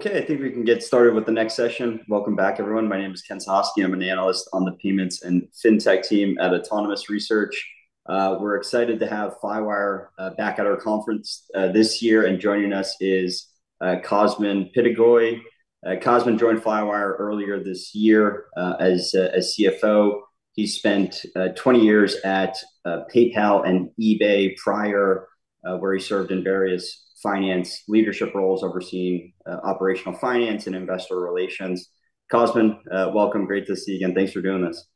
Okay, I think we can get started with the next session. Welcome back, everyone. My name is Ken Suchoski. I'm an on the payments and fintech team at Autonomous Research. We're excited to have Flywire back at our conference this year. And joining us is Cosmin Pitigoi. Cosmin joined Flywire earlier this year as CFO. He spent twenty years at PayPal and eBay prior, where he served in various finance leadership roles, overseeing operational finance and investor relations. Cosmin, welcome, great to see you again. Thanks for doing this.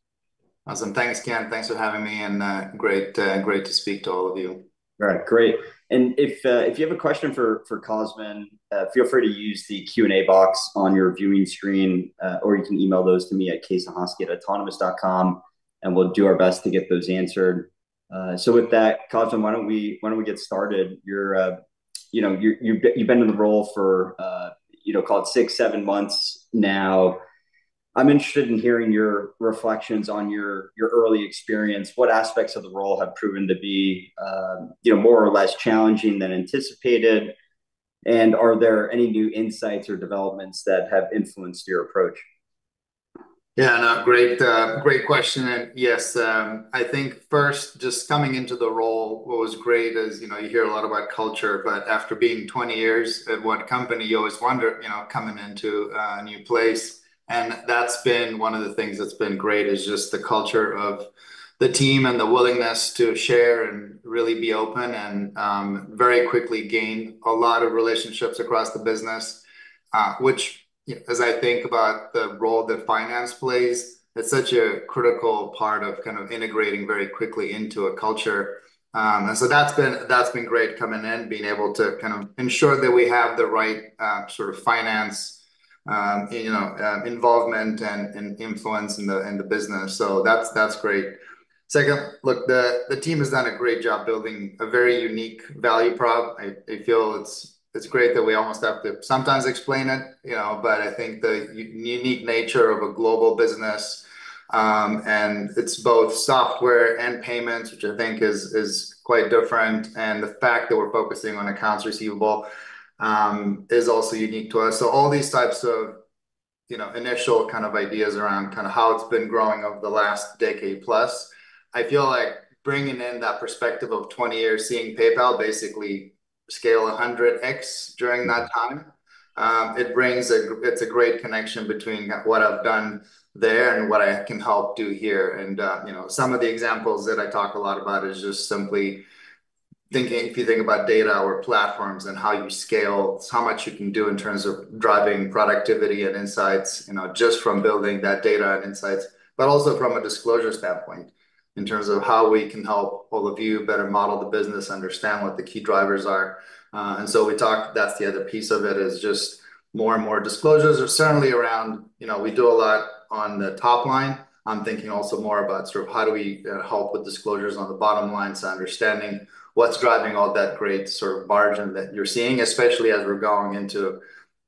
Awesome. Thanks, Ken. Thanks for having me, and great to speak to all of you. All right, great. And if you have a question for Cosmin, feel free to use the Q&A box on your viewing screen, or you can email those to me at ksuchoski@autonomous.com, and we'll do our best to get those answered. So with that, Cosmin, why don't we get started? You know, you've been in the role for, you know, call it six, seven months now. I'm interested in hearing your reflections on your early experience. What aspects of the role have proven to be, you know, more or less challenging than anticipated? And are there any new insights or developments that have influenced your approach? Yeah, no, great, great question, and yes, I think first just coming into the role, what was great is, you know, you hear a lot about culture, but after being 20 years at one company, you always wonder, you know, coming into a new place. That's been one of the things that's been great, is just the culture of the team and the willingness to share and really be open and very quickly gain a lot of relationships across the business. Which, as I think about the role that finance plays, it's such a critical part of kind of integrating very quickly into a culture. And so that's been great coming in, being able to kind of ensure that we have the right, sort of finance, you know, involvement and influence in the business. So that's great. Second, the team has done a great job building a very unique value prop. I feel it's great that we almost have to sometimes explain it, you know, but I think the unique nature of a global business, and it's both software and payments, which I think is quite different, and the fact that we're focusing on accoun=ts receivable is also unique to us. So all these types of, you know, initial kind of ideas around kind of how it's been growing over the last decade plus. I feel like bringing in that perspective of twenty years, seeing PayPal basically scale a hundred X during that time, it brings a great connection between what I've done there and what I can help do here. You know, some of the examples that I talk a lot about is just simply thinking... If you think about data or platforms and how you scale, how much you can do in terms of driving productivity and insights, you know, just from building that data and insights, but also from a disclosure standpoint, in terms of how we can help all of you better model the business, understand what the key drivers are. And so we talked. That's the other piece of it, is just more and more disclosures are certainly around. You know, we do a lot on the top line. I'm thinking also more about sort of how do we help with disclosures on the bottom line, so understanding what's driving all that great sort of margin that you're seeing, especially as we're going into,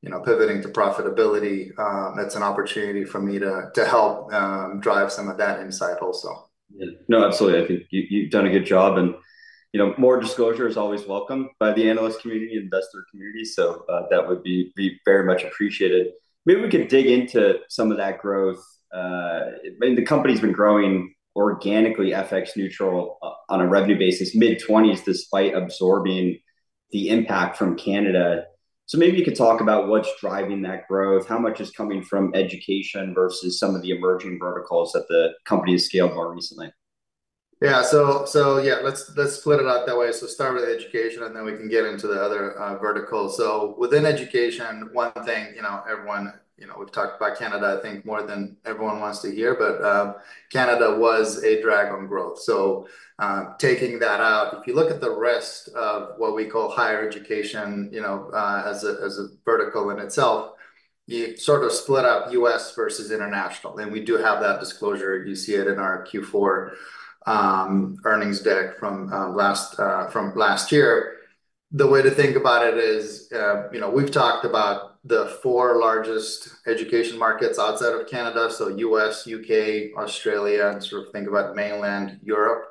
you know, pivoting to profitability. That's an opportunity for me to help drive some of that insight also. Yeah. No, absolutely. I think you've done a good job and, you know, more disclosure is always welcome by the analyst community, investor community, so, that would be very much appreciated. Maybe we can dig into some of that growth. I mean, the company's been growing organically, FX neutral, on a revenue basis, mid-twenties, despite absorbing the impact from Canada. So maybe you could talk about what's driving that growth, how much is coming from education versus some of the emerging verticals that the company has scaled more recently. Yeah. So yeah, let's split it out that way. So start with education, and then we can get into the other verticals. So within education, one thing, you know, everyone, you know, we've talked about Canada, I think, more than everyone wants to hear, but Canada was a drag on growth. So taking that out, if you look at the rest of what we call higher education, you know, as a vertical in itself, you sort of split up U.S. versus international. And we do have that disclosure. You see it in our Q4 earnings deck from last year. The way to think about it is, you know, we've talked about the four largest education markets outside of Canada, so U.S., U.K., Australia, and sort of think about mainland Europe.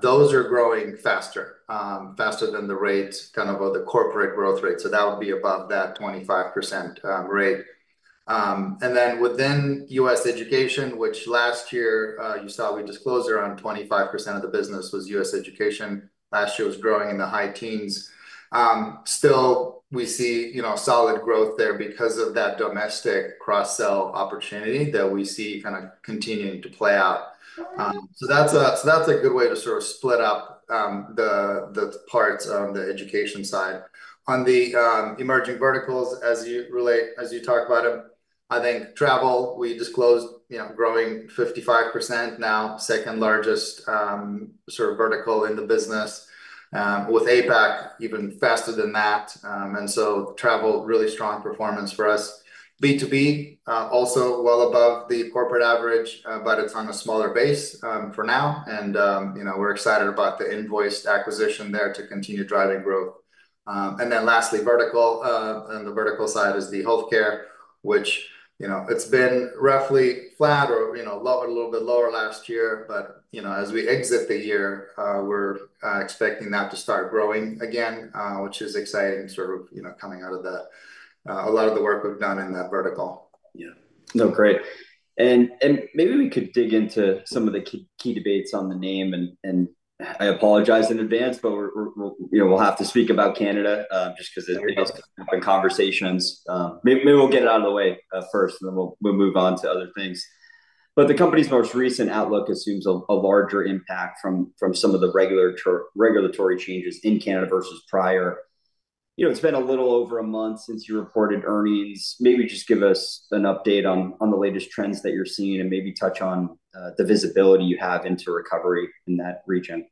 Those are growing faster than the rate, kind of the corporate growth rate, so that would be above that 25% rate, and then within U.S. education, which last year you saw we disclosed around 25% of the business was U.S. education. Last year was growing in the high teens. Still, we see, you know, solid growth there because of that domestic cross-sell opportunity that we see kind of continuing to play out. So that's a good way to sort of split up the parts on the education side. On the emerging verticals, as you relate, as you talk about them, I think travel, we disclosed, you know, growing 55% now, second largest sort of vertical in the business, with APAC even faster than that. And so travel, really strong performance for us. B2B, also well above the corporate average, but it's on a smaller base, for now. And, you know, we're excited about the Invoiced acquisition there to continue driving growth. And then lastly, vertical. On the vertical side is the healthcare- which, you know, it's been roughly flat or, you know, lower, a little bit lower last year. But, you know, as we exit the year, we're expecting that to start growing again, which is exciting sort of, you know, coming out of the, a lot of the work we've done in that vertical. Yeah. No, great. And maybe we could dig into some of the key debates on the name and I apologize in advance, but we're, you know, we'll have to speak about Canada just because- There we go. It comes up in conversations. Maybe we'll get it out of the way first, and then we'll move on to other things. But the company's most recent outlook assumes a larger impact from some of the regulatory changes in Canada versus prior. You know, it's been a little over a month since you reported earnings. Maybe just give us an update on the latest trends that you're seeing and maybe touch on the visibility you have into recovery in that region.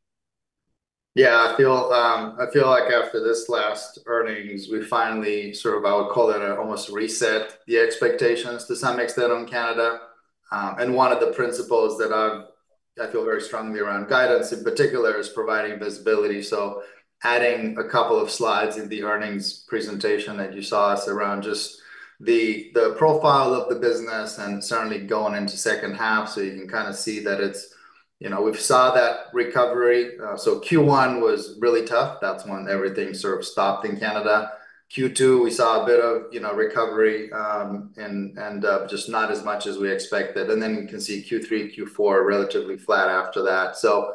Yeah, I feel, I feel like after this last earnings, we finally sort of, I would call it, almost reset the expectations to some extent on Canada. And one of the principles that I feel very strongly around guidance in particular is providing visibility. So adding a couple of slides in the earnings presentation that you saw us around just the profile of the business and certainly going into second half, so you can kind of see that it's... You know, we've saw that recovery. So Q1 was really tough. That's when everything sort of stopped in Canada. Q2, we saw a bit of, you know, recovery, and just not as much as we expected. And then you can see Q3, Q4, relatively flat after that. So,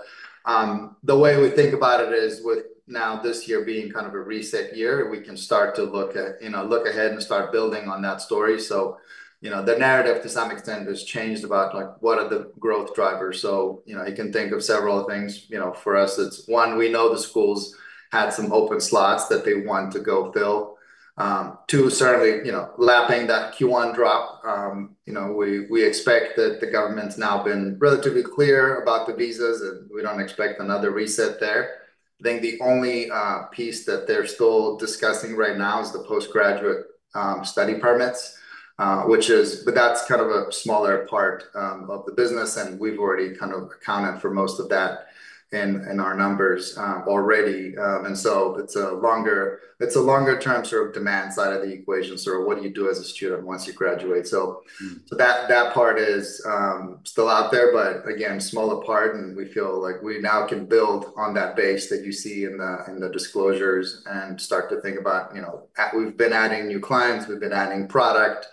the way we think about it is with now this year being kind of a reset year, we can start to look at, you know, look ahead and start building on that story. So, you know, the narrative to some extent has changed about, like, what are the growth drivers? So, you know, I can think of several things. You know, for us, it's one, we know the schools had some open slots that they want to go fill. Two, certainly, you know, lapping that Q1 drop, you know, we expect that the government's now been relatively clear about the visas, and we don't expect another reset there. I think the only piece that they're still discussing right now is the postgraduate study permits, but that's kind of a smaller part of the business, and we've already kind of accounted for most of that in our numbers already. And so it's a longer-term sort of demand side of the equation. So what do you do as a student once you graduate? so that, that part is still out there, but again, smaller part, and we feel like we now can build on that base that you see in the disclosures and start to think about, you know, we've been adding new clients, we've been adding product.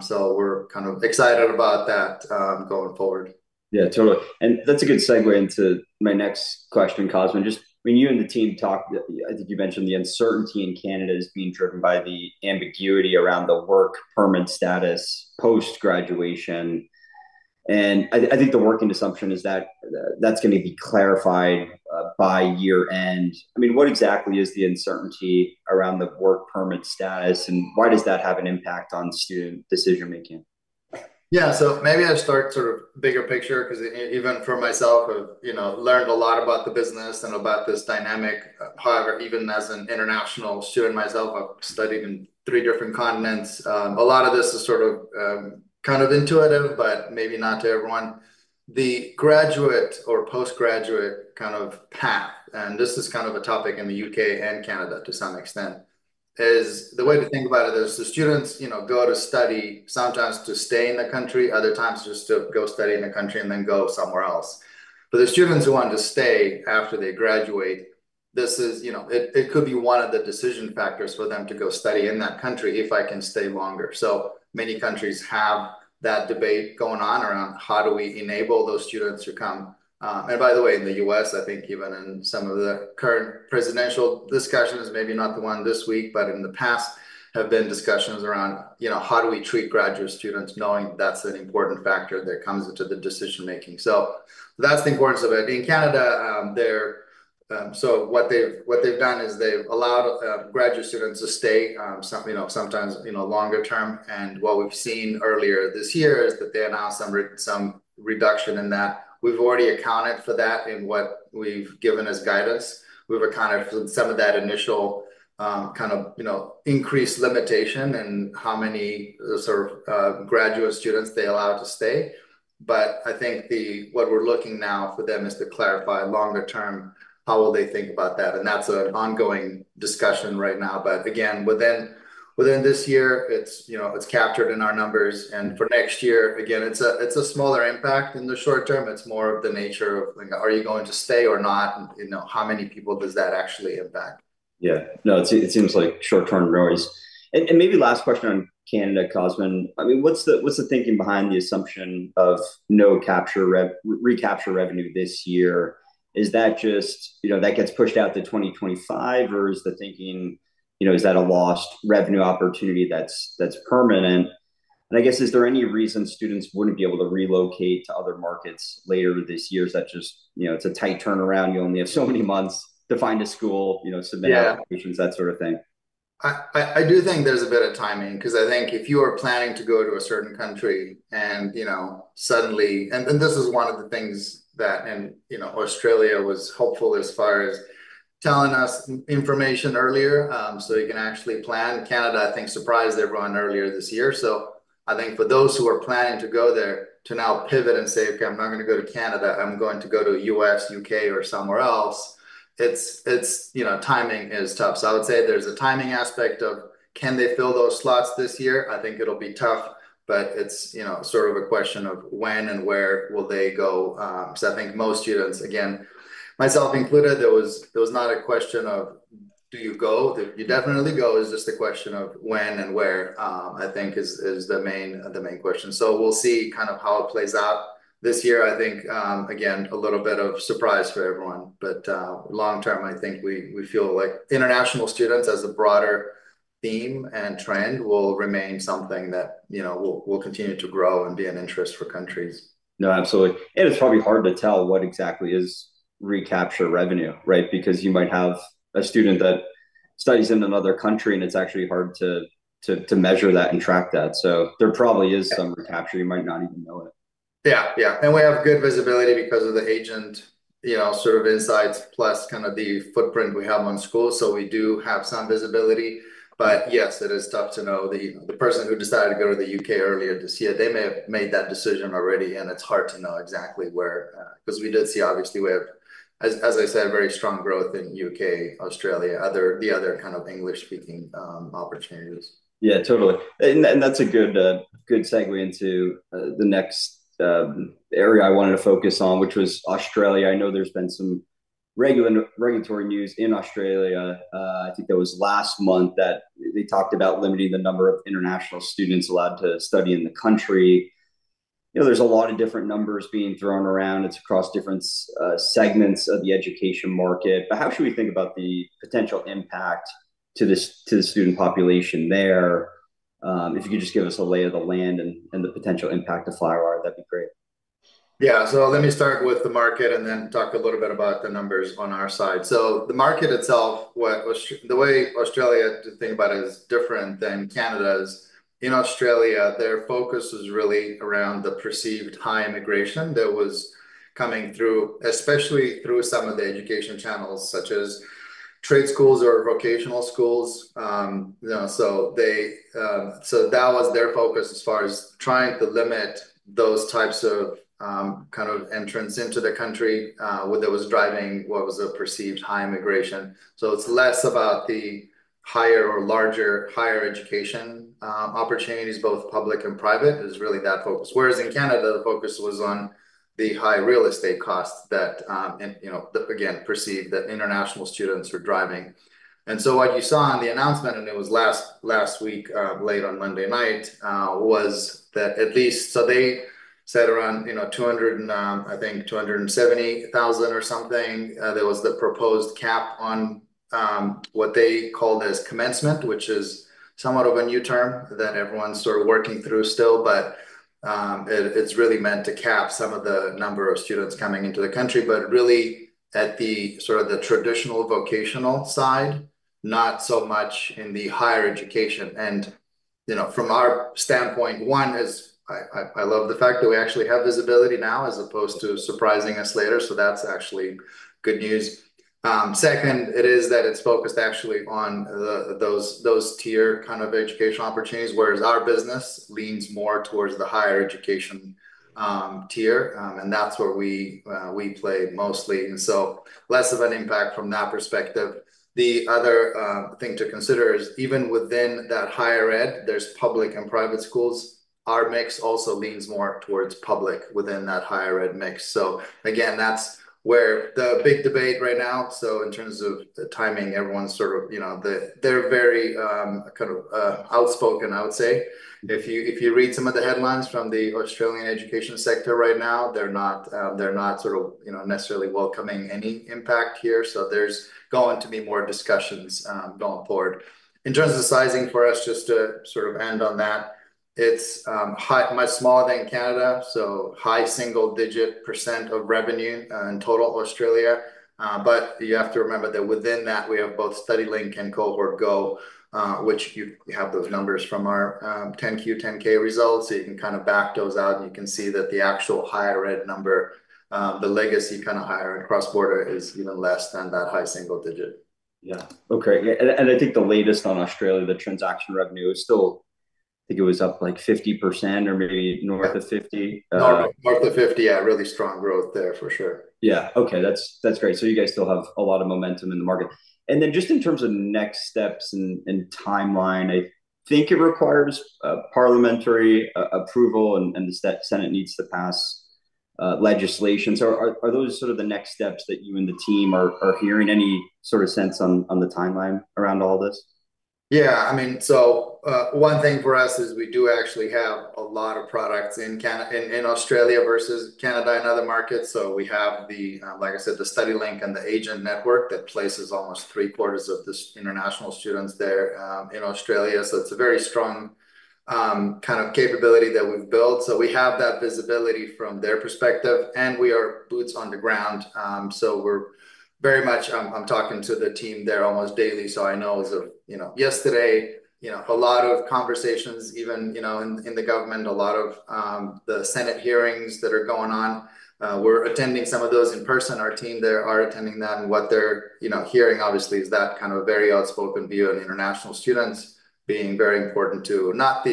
So we're kind of excited about that going forward. Yeah, totally. And that's a good segue into my next question, Cosmin. Just when you and the team talked, I think you mentioned the uncertainty in Canada is being driven by the ambiguity around the work permit status post-graduation, and I think the working assumption is that that's gonna be clarified by year-end. I mean, what exactly is the uncertainty around the work permit status, and why does that have an impact on student decision-making? Yeah. So maybe I'll start sort of bigger picture, 'cause even for myself, I've, you know, learned a lot about the business and about this dynamic. However, even as an international student myself, I've studied in three different continents. A lot of this is sort of, kind of intuitive, but maybe not to everyone. The graduate or postgraduate kind of path, and this is kind of a topic in the UK and Canada to some extent, is the way to think about it is the students, you know, go to study, sometimes to stay in the country, other times just to go study in the country and then go somewhere else. For the students who want to stay after they graduate, this is, you know, it could be one of the decision factors for them to go study in that country if I can stay longer. So many countries have that debate going on around how do we enable those students to come? And by the way, in the U.S., I think even in some of the current presidential discussions, maybe not the one this week, but in the past, have been discussions around, you know, how do we treat graduate students, knowing that's an important factor that comes into the decision-making. So that's the importance of it. In Canada, they're. So what they've done is they've allowed graduate students to stay, some, you know, sometimes, you know, longer term. And what we've seen earlier this year is that they announced some reduction in that. We've already accounted for that in what we've given as guidance. We've accounted for some of that initial, kind of, you know, increased limitation in how many sort of graduate students they allow to stay. But I think what we're looking now for them is to clarify longer term, how will they think about that? And that's an ongoing discussion right now. But again, within this year, it's, you know, it's captured in our numbers, and for next year, again, it's a smaller impact in the short term. It's more of the nature of like, are you going to stay or not? You know, how many people does that actually impact? Yeah. No, it seems like short-term noise. And maybe last question on Canada, Cosmin. I mean, what's the thinking behind the assumption of no capture recapture revenue this year? Is that just, you know, that gets pushed out to twenty twenty-five, or is the thinking, you know, is that a lost revenue opportunity that's permanent? And I guess, is there any reason students wouldn't be able to relocate to other markets later this year? Is that just, you know, it's a tight turnaround, you only have so many months to find a school, you know, submit- Yeah applications, that sort of thing? I do think there's a bit of timing, 'cause I think if you are planning to go to a certain country and, you know, suddenly, and this is one of the things that, you know, Australia was helpful as far as telling us information earlier, so you can actually plan. Canada, I think, surprised everyone earlier this year. I think for those who are planning to go there, to now pivot and say, "Okay, I'm not gonna go to Canada, I'm going to go to U.S., U.K., or somewhere else," it's, you know, timing is tough. So I would say there's a timing aspect of can they fill those slots this year? I think it'll be tough, but it's, you know, sort of a question of when and where will they go. So I think most students, again, myself included, there was not a question of do you go? You definitely go. It's just a question of when and where, I think is the main question. So we'll see kind of how it plays out. This year, I think, again, a little bit of surprise for everyone, but long-term, I think we feel like international students as a broader theme and trend will remain something that, you know, will continue to grow and be an interest for countries. No, absolutely. And it's probably hard to tell what exactly is recapture revenue, right? Because you might have a student that studies in another country, and it's actually hard to measure that and track that. So there probably is some recapture. You might not even know it. Yeah. Yeah, and we have good visibility because of the agent, you know, sort of insights, plus kind of the footprint we have on school. So we do have some visibility, but yes, it is tough to know. The person who decided to go to the U.K. earlier this year, they may have made that decision already, and it's hard to know exactly where. Because we did see, obviously, we have, as I said, very strong growth in U.K., Australia, the other kind of English-speaking opportunities. Yeah, totally. And that's a good segue into the next area I wanted to focus on, which was Australia. I know there's been some regulatory news in Australia. I think that was last month that they talked about limiting the number of international students allowed to study in the country. You know, there's a lot of different numbers being thrown around. It's across different segments of the education market, but how should we think about the potential impact to the student population there? If you could just give us a lay of the land and the potential impact to Flywire, that'd be great. Yeah. So let me start with the market and then talk a little bit about the numbers on our side. So the market itself, the way Australia to think about it, is different than Canada's. In Australia, their focus is really around the perceived high immigration that was coming through, especially through some of the education channels, such as trade schools or vocational schools. You know, so they, so that was their focus as far as trying to limit those types of, kind of entrants into the country, where there was driving what was a perceived high immigration. So it's less about the higher or larger higher education, opportunities, both public and private, is really that focus. Whereas in Canada, the focus was on the high real estate costs that, and, you know, again, perceived that international students were driving. What you saw on the announcement, and it was last week, late on Monday night, was that at least. So they said around, you know, 200 and, I think 270,000 or something, there was the proposed cap on what they called as commencement, which is somewhat of a new term that everyone's sort of working through still. But it, it's really meant to cap some of the number of students coming into the country, but really at the sort of the traditional vocational side, not so much in the higher education. And, you know, from our standpoint, one is I love the fact that we actually have visibility now as opposed to surprising us later, so that's actually good news. Second, it is that it's focused actually on those tier kind of educational opportunities, whereas our business leans more towards the higher education tier. That's where we play mostly, and so less of an impact from that perspective. The other thing to consider is even within that higher ed, there's public and private schools. Our mix also leans more towards public within that higher ed mix. Again, that's where the big debate right now. In terms of the timing, everyone's sort of, you know, they're very kind of outspoken, I would say. If you read some of the headlines from the Australian education sector right now, they're not sort of, you know, necessarily welcoming any impact here. There's going to be more discussions going forward. In terms of the sizing for us, just to sort of end on that, it's much smaller than Canada, so high single-digit % of revenue in total Australia. But you have to remember that within that, we have both StudyLink and Cohort Go, which you have those numbers from our 10-Q, 10-K results, so you can kind of back those out, and you can see that the actual higher ed number, the legacy kind of higher ed cross-border is even less than that high single digit. Yeah. Okay, yeah, and, and I think the latest on Australia, the transaction revenue is still, I think it was up, like, 50% or maybe north of 50%. North of 50, yeah. Really strong growth there, for sure. Yeah. Okay, that's great. So you guys still have a lot of momentum in the market. And then just in terms of next steps and timeline, I think it requires parliamentary approval, and the Senate needs to pass legislation. So are those sort of the next steps that you and the team are hearing any sort of sense on the timeline around all this? Yeah, I mean, so, one thing for us is we do actually have a lot of products in Australia versus Canada and other markets. So we have the, like I said, the StudyLink and the agent network that places almost three-quarters of the international students there, in Australia. So it's a very strong, kind of capability that we've built. So we have that visibility from their perspective, and we are boots on the ground. So we're very much, I'm talking to the team there almost daily, so I know as of, you know, yesterday, you know, a lot of conversations even, you know, in, in the government, a lot of, the Senate hearings that are going on, we're attending some of those in person. Our team there are attending that, and what they're, you know, hearing obviously is that kind of a very outspoken view on international students being very important to not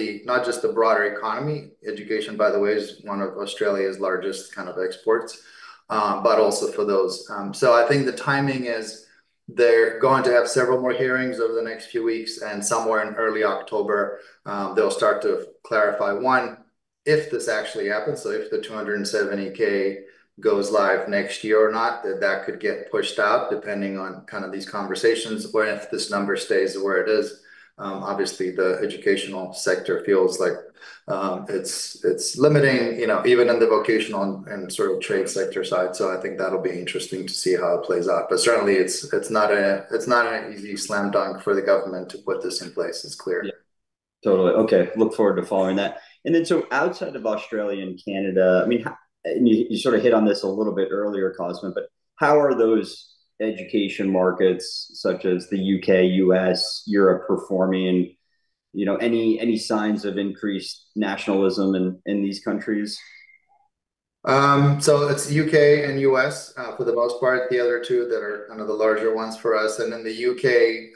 just the broader economy. Education, by the way, is one of Australia's largest kind of exports, but also for those. So I think the timing is they're going to have several more hearings over the next few weeks, and somewhere in early October, they'll start to clarify, one, if this actually happens, so if the 270,000 goes live next year or not, that that could get pushed out, depending on kind of these conversations, or if this number stays where it is. Obviously, the educational sector feels like it's limiting, you know, even in the vocational and sort of trade sector side. So I think that'll be interesting to see how it plays out. But certainly, it's not an easy slam dunk for the government to put this in place. It's clear. Yeah, totally. Okay, look forward to following that. And then, so outside of Australia and Canada, I mean, how and you sort of hit on this a little bit earlier, Cosmin, but how are those education markets, such as the U.K., U.S., Europe, performing? You know, any signs of increased nationalism in these countries? So it's U.K. and U.S., for the most part, the other two that are kind of the larger ones for us. And in the U.K.,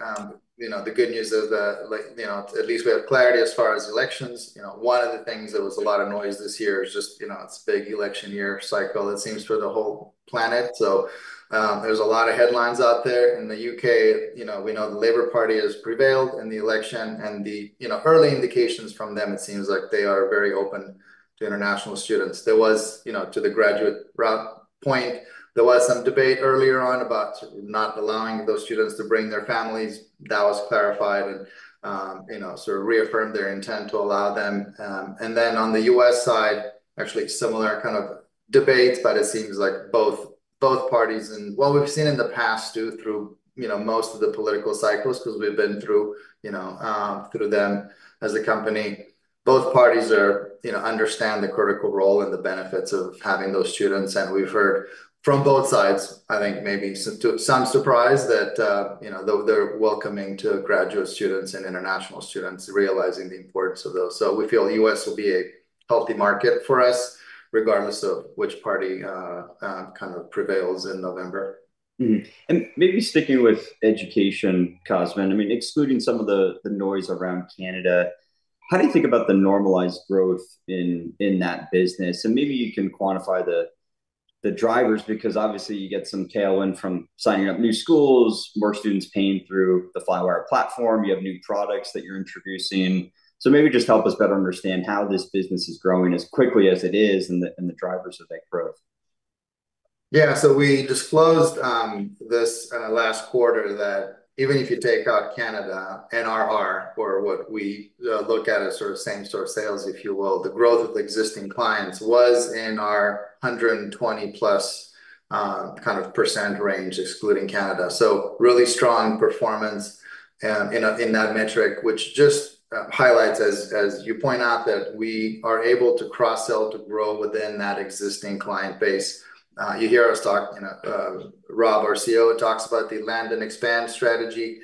you know, the good news is that, like, you know, at least we have clarity as far as elections. You know, one of the things that was a lot of noise this year is just, you know, it's a big election year cycle, it seems, for the whole planet. So, there's a lot of headlines out there. In the U.K., you know, we know the Labour Party has prevailed in the election, and the, you know, early indications from them, it seems like they are very open to international students. There was, you know, to the Graduate Route point, there was some debate earlier on about not allowing those students to bring their families. That was clarified and, you know, sort of reaffirmed their intent to allow them. And then on the U.S. side, actually similar kind of debates, but it seems like both parties... And what we've seen in the past, too, through, you know, most of the political cycles, 'cause we've been through, you know, through them as a company, both parties are, you know, understand the critical role and the benefits of having those students. And we've heard from both sides, I think maybe to some surprise, that, you know, they, they're welcoming to graduate students and international students, realizing the importance of those. So we feel U.S. will be a healthy market for us, regardless of which party kind of prevails in November. Mm-hmm. And maybe sticking with education, Cosmin, I mean, excluding some of the noise around Canada, how do you think about the normalized growth in that business? And maybe you can quantify the drivers, because obviously you get some tailwind from signing up new schools, more students paying through the Flywire platform. You have new products that you're introducing. So maybe just help us better understand how this business is growing as quickly as it is, and the drivers of that growth. Yeah, so we disclosed this last quarter that even if you take out Canada, NRR, or what we look at as sort of same store sales, if you will, the growth of existing clients was in our +120 kind of % range, excluding Canada. So really strong performance in that metric, which just highlights, as you point out, that we are able to cross-sell to grow within that existing client base. You hear us talk, you know, Rob, our CEO, talks about the land and expand strategy.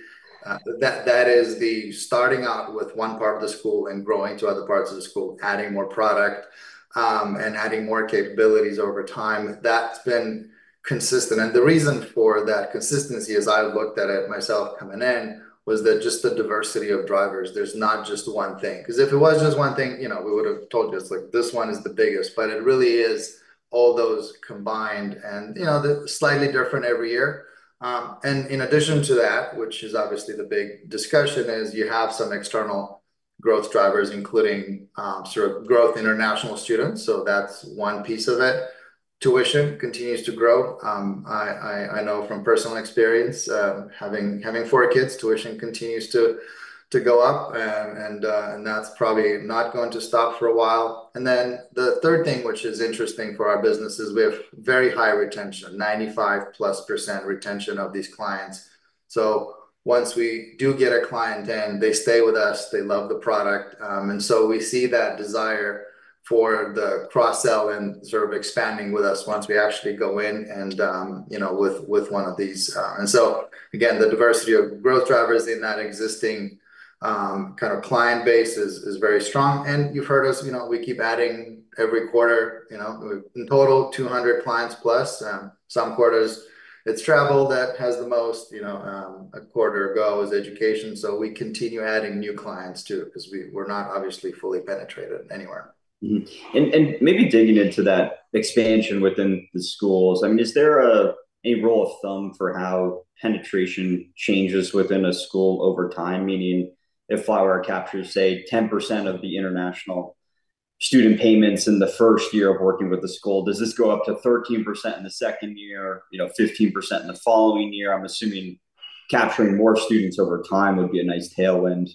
That is the starting out with one part of the school and growing to other parts of the school, adding more product and adding more capabilities over time. That's been consistent. And the reason for that consistency, as I looked at it myself coming in, was that just the diversity of drivers. There's not just one thing, 'cause if it was just one thing, you know, we would've told you, it's like, "This one is the biggest," but it really is all those combined, and, you know, they're slightly different every year. And in addition to that, which is obviously the big discussion, is you have some external growth drivers, including, sort of growth international students, so that's one piece of it. Tuition continues to grow. I know from personal experience, having four kids, tuition continues to go up, and that's probably not going to stop for a while. And then the third thing, which is interesting for our business, is we have very high retention, 95% plus retention of these clients. So once we do get a client in, they stay with us, they love the product. And so we see that desire for the cross-sell and sort of expanding with us once we actually go in and, you know, with one of these. And so again, the diversity of growth drivers in that existing kind of client base is very strong. And you've heard us, you know, we keep adding every quarter, you know, in total, 200 clients plus, some quarters it's travel that has the most, you know, a quarter ago was education. So we continue adding new clients, too, 'cause we're not obviously fully penetrated anywhere. Mm-hmm. And maybe digging into that expansion within the schools, I mean, is there a rule of thumb for how penetration changes within a school over time? Meaning, if Flywire captures, say, 10% of the international student payments in the first year of working with the school, does this go up to 13% in the second year, you know, 15% in the following year? I'm assuming capturing more students over time would be a nice tailwind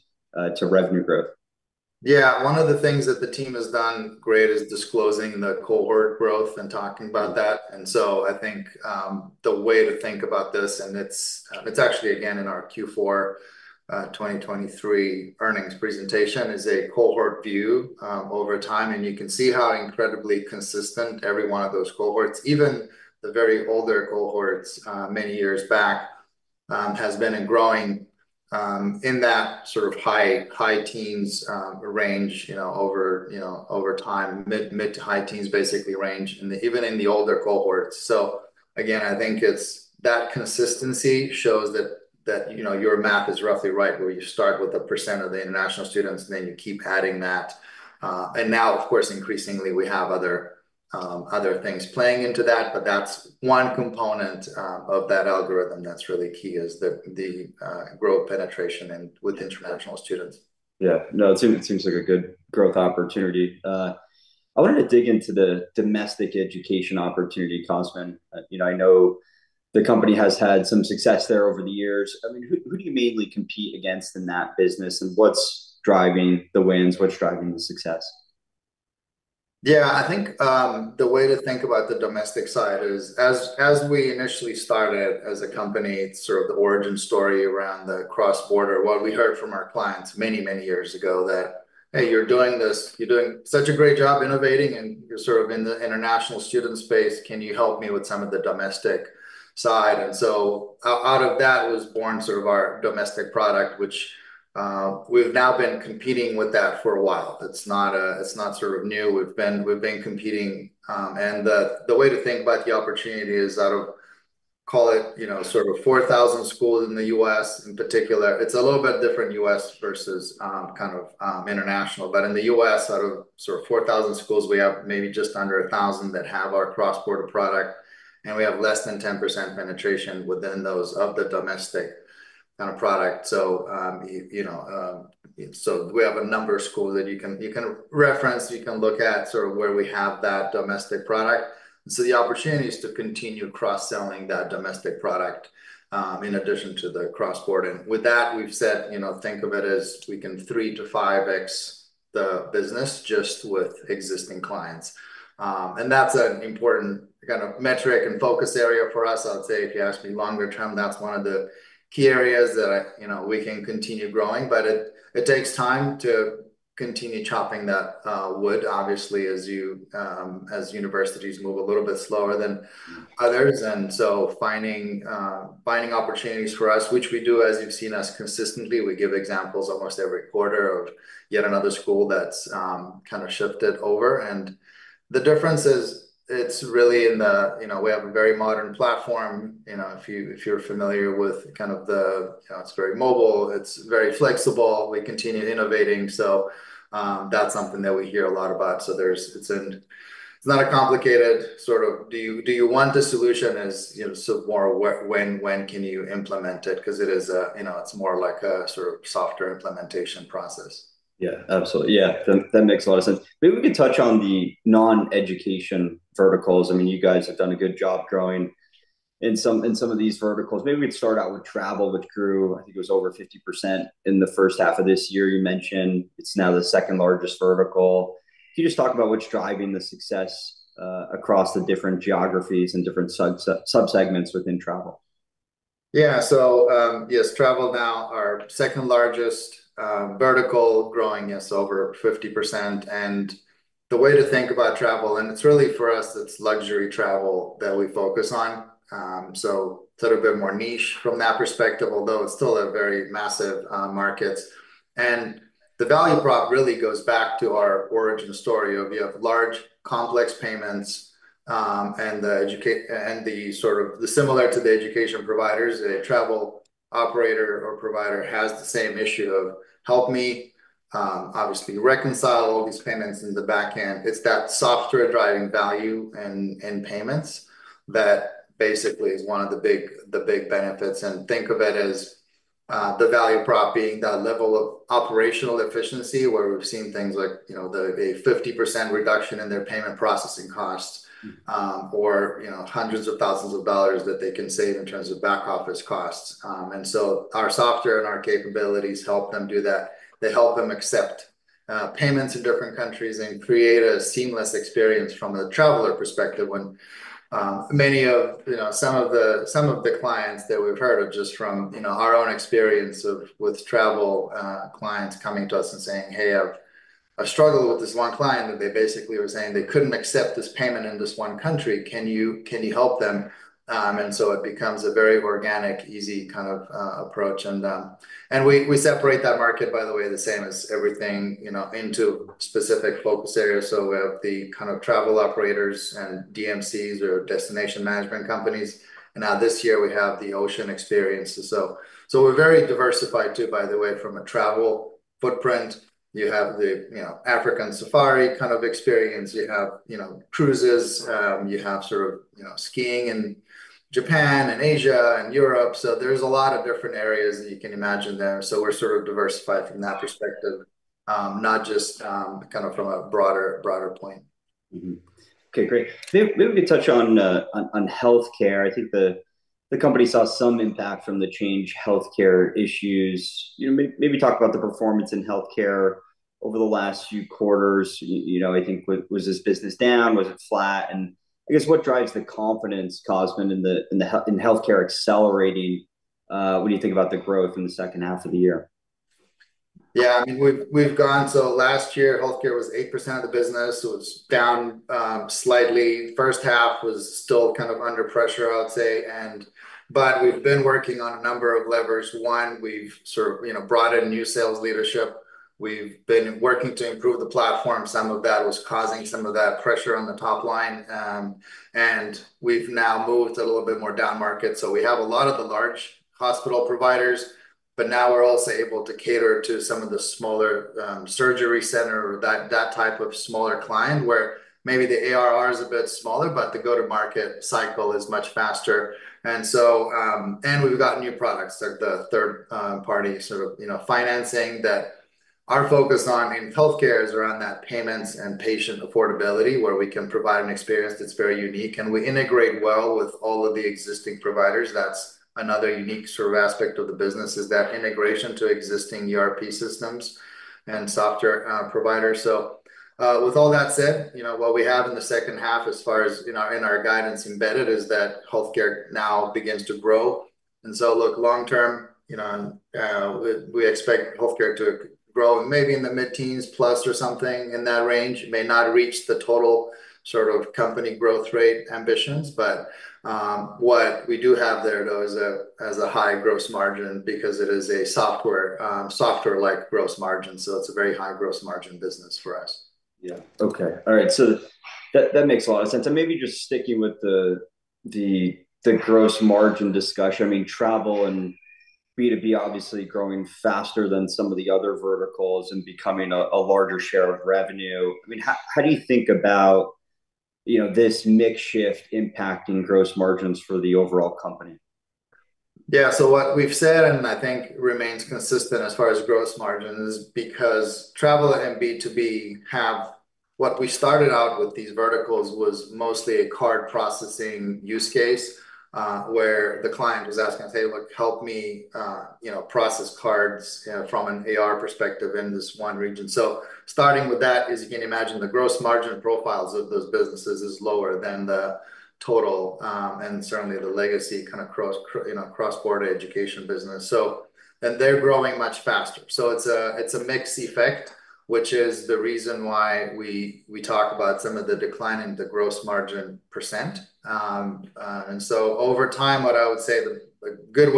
to revenue growth. Yeah. One of the things that the team has done great is disclosing the cohort growth and talking about that. And so I think the way to think about this, and it's actually again in our Q4 2023 earnings presentation, is a cohort view over time, and you can see how incredibly consistent every one of those cohorts, even the very older cohorts, many years back, has been in growing in that sort of high, high teens range, you know, over, you know, over time. Mid, mid to high teens, basically range, in the even in the older cohorts. So again, I think it's that consistency shows that you know your math is roughly right, where you start with a percent of the international students, and then you keep adding that. And now, of course, increasingly, we have other things playing into that, but that's one component of that algorithm that's really key, is the growth penetration and with international students. Yeah. No, it seems like a good growth opportunity. I wanted to dig into the domestic education opportunity, Cosmin. You know, I know the company has had some success there over the years. I mean, who do you mainly compete against in that business, and what's driving the wins? What's driving the success? Yeah, I think the way to think about the domestic side is, as we initially started as a company, sort of the origin story around the cross-border, what we heard from our clients many, many years ago, that, "Hey, you're doing this. You're doing such a great job innovating, and you're sort of in the international student space. Can you help me with some of the domestic side?" And so out of that was born sort of our domestic product, which we've now been competing with that for a while. It's not sort of new. We've been competing. And the way to think about the opportunity is out of, call it, you know, sort of 4,000 schools in the U.S., in particular. It's a little bit different U.S. versus kind of international. But in the U.S., out of sort of 4,000 schools, we have maybe just under 1,000 that have our cross-border product, and we have less than 10% penetration within those of the domestic kind of product. So, you know, so we have a number of schools that you can reference, you can look at sort of where we have that domestic product. So the opportunity is to continue cross-selling that domestic product, in addition to the cross-border. And with that, we've said, you know, think of it as we can 3-5X the business just with existing clients. And that's an important kind of metric and focus area for us. I would say, if you ask me longer term, that's one of the key areas that I, you know, we can continue growing, but it takes time to continue chopping that wood, obviously, as you, as universities move a little bit slower than others, and so finding opportunities for us, which we do, as you've seen us consistently, we give examples almost every quarter of yet another school that's kind of shifted over, and the difference is, it's really in the, you know, we have a very modern platform. You know, if you're familiar with kind of the, it's very mobile, it's very flexible. We continue innovating, so, that's something that we hear a lot about. So it's not a complicated sort of, "Do you want the solution?" As you know, so more, "When can you implement it?" 'Cause it is, you know, it's more like a sort of software implementation process. Yeah. Absolutely. Yeah, that makes a lot of sense. Maybe we could touch on the non-education verticals. I mean, you guys have done a good job growing in some of these verticals. Maybe we'd start out with travel, which grew, I think it was over 50% in the first half of this year. You mentioned it's now the second largest vertical. Can you just talk about what's driving the success across the different geographies and different subsegments within travel? Yeah. So, yes, travel now our second largest vertical, growing over 50%. And the way to think about travel, and it's really for us, it's luxury travel that we focus on. So sort of a bit more niche from that perspective, although it's still a very massive market. And the value prop really goes back to our origin story of you have large, complex payments, and the sort of similar to the education providers, a travel operator or provider has the same issue of: help me obviously reconcile all these payments in the back end. It's that software driving value and payments that basically is one of the big benefits. And think of it as the value prop being that level of operational efficiency, where we've seen things like, you know, a 50% reduction in their payment processing costs, or, you know, hundreds of thousands of dollars that they can save in terms of back office costs. And so our software and our capabilities help them do that. They help them accept payments in different countries and create a seamless experience from a traveler perspective when... many of, you know, some of the, some of the clients that we've heard of just from, you know, our own experience with travel, clients coming to us and saying, "Hey, I've, I've struggled with this one client," and they basically were saying they couldn't accept this payment in this one country, "Can you, can you help them?" and so it becomes a very organic, easy kind of approach. And we separate that market, by the way, the same as everything, you know, into specific focus areas. So we have the kind of travel operators and DMCs, or destination management companies, and now this year we have the ocean experiences. So we're very diversified, too, by the way, from a travel footprint. You have the, you know, African safari kind of experience. You have, you know, cruises. You have sort of, you know, skiing in Japan and Asia and Europe. So there's a lot of different areas that you can imagine there. So we're sort of diversified from that perspective, not just, kind of from a broader point. Mm-hmm. Okay, great. Maybe we could touch on healthcare. I think the company saw some impact from the Change Healthcare issues. You know, maybe talk about the performance in healthcare over the last few quarters. You know, I think, was this business down? Was it flat? And I guess, what drives the confidence, Cosmin, in the healthcare accelerating when you think about the growth in the second half of the year? Yeah. I mean, we've gone. So last year, healthcare was 8% of the business. It was down slightly. First half was still kind of under pressure, I would say, and but we've been working on a number of levers. One, we've sort of, you know, brought in new sales leadership. We've been working to improve the platform. Some of that was causing some of that pressure on the top line, and we've now moved a little bit more down market. So we have a lot of the large hospital providers, but now we're also able to cater to some of the smaller surgery center, or that type of smaller client, where maybe the ARR is a bit smaller, but the go-to-market cycle is much faster. And so, we've got new products. The third-party sort of, you know, financing that our focus on in healthcare is around that payments and patient affordability, where we can provide an experience that's very unique. And we integrate well with all of the existing providers. That's another unique sort of aspect of the business, is that integration to existing ERP systems and software providers. So with all that said, you know, what we have in the second half as far as in our guidance embedded, is that healthcare now begins to grow. And so, look, long term, you know, we expect healthcare to grow maybe in the mid-teens plus or something in that range. It may not reach the total sort of company growth rate ambitions, but what we do have there, though, is a high gross margin because it is a software, software-like gross margin, so it's a very high gross margin business for us. Yeah. Okay. All right, so that makes a lot of sense. And maybe just sticking with the gross margin discussion, I mean, travel and B2B obviously growing faster than some of the other verticals and becoming a larger share of revenue. I mean, how do you think about, you know, this mix shift impacting gross margins for the overall company? Yeah, so what we've said, and I think remains consistent as far as gross margin, is because travel and B2B have, what we started out with these verticals was mostly a card processing use case, where the client was asking, and say, "Look, help me, you know, process cards, from an AR perspective in this one region." So starting with that, as you can imagine, the gross margin profiles of those businesses is lower than the total, and certainly the legacy kind of cross, you know, cross-border education business. So... And they're growing much faster. So it's a mixed effect, which is the reason why we talk about some of the decline in the gross margin %. And so over time, what I would say, a good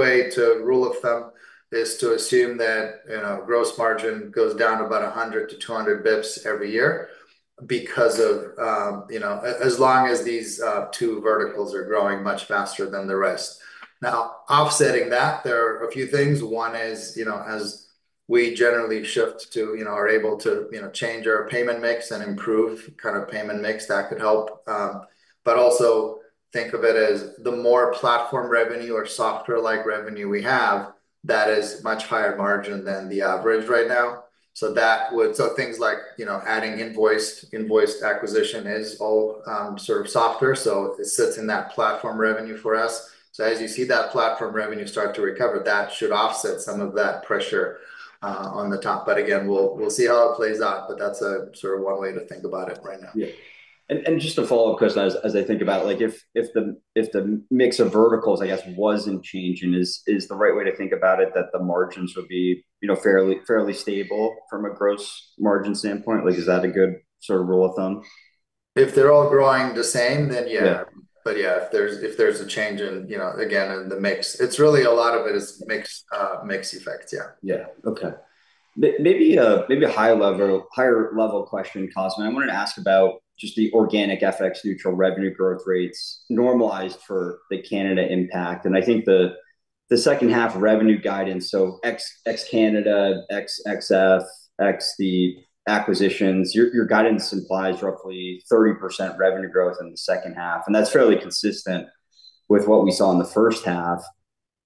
rule of thumb is to assume that, you know, gross margin goes down about 100-200 basis points every year because of, you know, as long as these two verticals are growing much faster than the rest. Now, offsetting that, there are a few things. One is, you know, as we generally shift to, you know, are able to, you know, change our payment mix and improve kind of payment mix, that could help. But also think of it as the more platform revenue or software-like revenue we have, that is much higher margin than the average right now. So that would. So things like, you know, adding Invoiced acquisition is all sort of software, so it sits in that platform revenue for us. As you see that platform revenue start to recover, that should offset some of that pressure on the top. But again, we'll see how it plays out, but that's a sort of one way to think about it right now. Yeah. And just a follow-up question, as I think about, like, if the mix of verticals, I guess, wasn't changing, is the right way to think about it that the margins would be, you know, fairly stable from a gross margin standpoint? Like, is that a good sort of rule of thumb? If they're all growing the same, then yeah. Yeah. But yeah, if there's a change in, you know, again, in the mix, it's really a lot of it is mix effects. Yeah. Yeah. Okay. Maybe a high-level, higher-level question, Cosmin. I wanted to ask about just the organic FX neutral revenue growth rates normalized for the Canada impact, and I think the second half revenue guidance, so ex Canada, ex FX, ex the acquisitions, your guidance implies roughly 30% revenue growth in the second half, and that's fairly consistent with what we saw in the first half.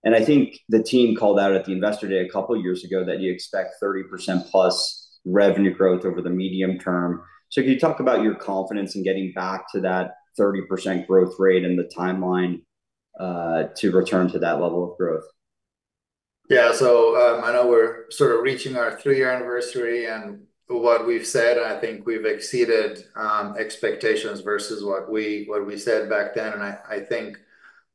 And I think the team called out at the Investor Day a couple of years ago that you expect 30% plus revenue growth over the medium term. So can you talk about your confidence in getting back to that 30% growth rate and the timeline to return to that level of growth? Yeah. So, I know we're sort of reaching our three-year anniversary, and what we've said, I think we've exceeded expectations versus what we said back then, and I think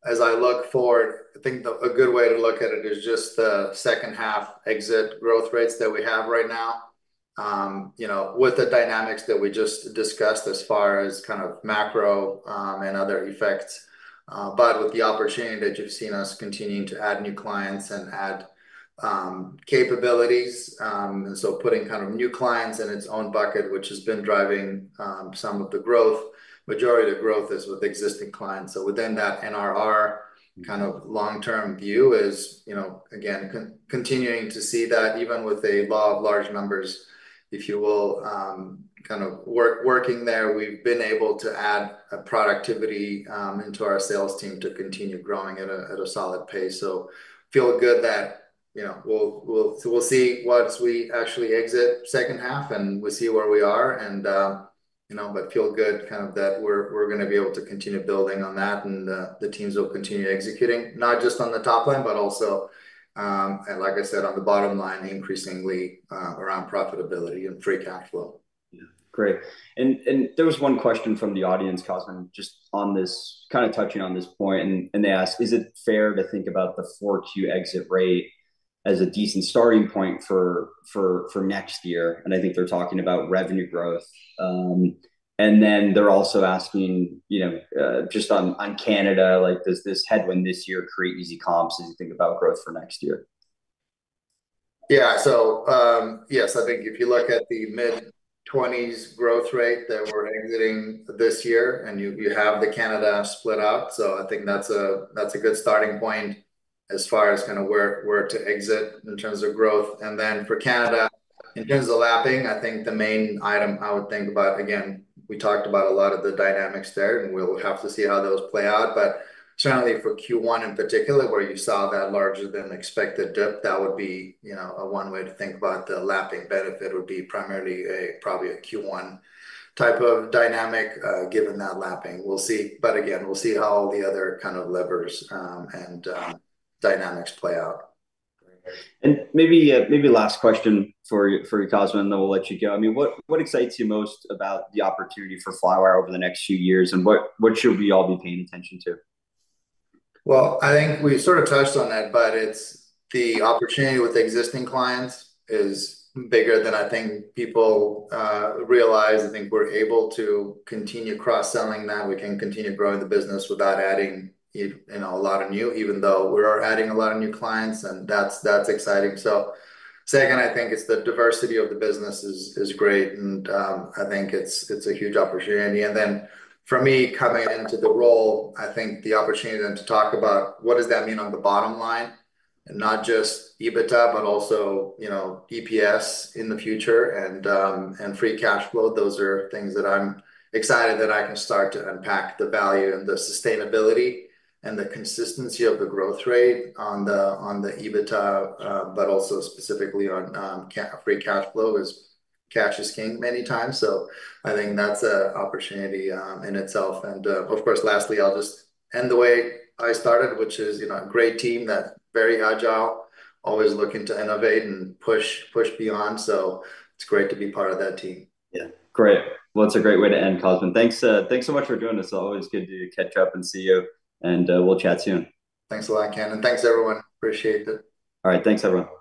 as I look forward, I think a good way to look at it is just the second half exit growth rates that we have right now. You know, with the dynamics that we just discussed as far as kind of macro and other effects, but with the opportunity that you've seen us continuing to add new clients and add capabilities, and so putting kind of new clients in its own bucket, which has been driving some of the growth. Majority of growth is with existing clients. So within that NRR kind of long-term view is, you know, again, continuing to see that even with the law of large numbers, if you will, kind of working there, we've been able to add a productivity into our sales team to continue growing at a solid pace. Feel good that, you know, we'll see once we actually exit second half, and we'll see where we are and, you know, but feel good kind of that we're gonna be able to continue building on that. The teams will continue executing, not just on the top line, but also and like I said, on the bottom line, increasingly around profitability and free cash flow. Yeah. Great. And there was one question from the audience, Cosmin, just on this, kind of touching on this point, and they asked: "Is it fair to think about the 4Q exit rate as a decent starting point for next year?" And I think they're talking about revenue growth. And then they're also asking, you know, just on Canada, like: "Does this headwind this year create easy comps as you think about growth for next year?... Yeah. So, yes, I think if you look at the mid-twenties growth rate that we're exiting this year, and you have the Canada split out, so I think that's a good starting point as far as kind of where to exit in terms of growth. And then for Canada, in terms of lapping, I think the main item I would think about, again, we talked about a lot of the dynamics there, and we'll have to see how those play out. But certainly for Q1, in particular, where you saw that larger than expected dip, that would be, you know, one way to think about the lapping benefit would be primarily, probably a Q1 type of dynamic, given that lapping. We'll see. But again, we'll see how all the other kind of levers and dynamics play out. Maybe last question for you, Cosmin, then we'll let you go. I mean, what excites you most about the opportunity for Flywire over the next few years, and what should we all be paying attention to? I think we sort of touched on that, but it's the opportunity with existing clients is bigger than I think people realize. I think we're able to continue cross-selling, that we can continue growing the business without adding, you know, a lot of new, even though we are adding a lot of new clients, and that's exciting. Second, I think it's the diversity of the business is great, and I think it's a huge opportunity. And then for me, coming into the role, I think the opportunity then to talk about what does that mean on the bottom line, and not just EBITDA, but also, you know, EPS in the future, and free cash flow. Those are things that I'm excited that I can start to unpack the value and the sustainability and the consistency of the growth rate on the, on the EBITDA, but also specifically on, free cash flow, as cash is king many times. So I think that's a opportunity, in itself. And, of course, lastly, I'll just end the way I started, which is, you know, a great team that's very agile, always looking to innovate and push, push beyond. So it's great to be part of that team. Yeah. Great! Well, it's a great way to end, Cosmin. Thanks, thanks so much for doing this. Always good to catch up and see you, and we'll chat soon. Thanks a lot, Ken, and thanks, everyone. Appreciate it. All right, thanks, everyone. Bye.